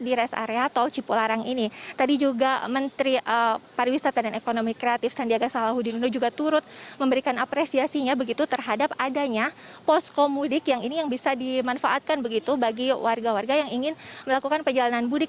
di rest area tol cipularang ini tadi juga menteri pariwisata dan ekonomi kreatif sandiaga salahuddin uno juga turut memberikan apresiasinya begitu terhadap adanya poskomudik yang ini yang bisa dimanfaatkan begitu bagi warga warga yang ingin melakukan perjalanan mudik